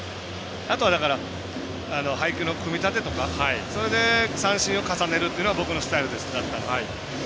あとは、だから配球の組み立てとかで三振を重ねるっていうのは僕のスタイルだったので。